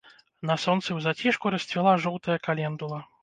На сонцы ў зацішку расцвіла жоўтая календула.